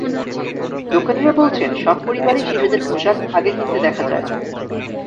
দোকানিরা বলছেন, সব পরিবারেই শিশুদের পোশাক আগে কিনতে দেখা যায়।